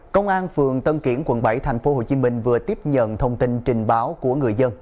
công an phường tân kiển quận bảy tp hcm vừa tiếp nhận thông tin trình báo của người dân